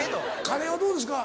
カレーはどうですか？